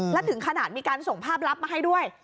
และถึงขนาดมีการส่งภาพลับมาให้ด้วย